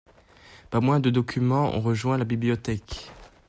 Pas moins de documents ont rejoint la bibliothèque.